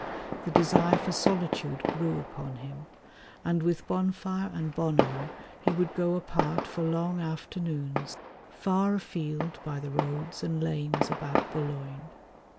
The desire for solitude grew upon him, and with Bonfire and Bonneau he would go apart for long afternoons far afield by the roads and lanes about Boulogne.